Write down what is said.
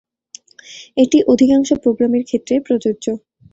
এটি অধিকাংশ প্রোগ্রামের ক্ষেত্রেই প্রযোজ্য।